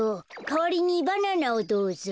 かわりにバナナをどうぞ。